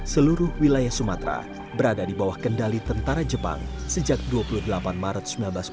seluruh wilayah sumatera berada di bawah kendali tentara jepang sejak dua puluh delapan maret seribu sembilan ratus empat puluh